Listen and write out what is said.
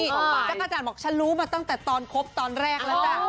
จังการจัดบอกฉันรู้นตั้งแต่ตอนกับตอนแรก